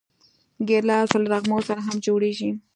ګیلاس له نغمو سره هم جوړ دی.